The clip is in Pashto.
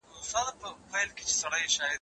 نه یې غوږ وو پر ښکنځلو پر جنګونو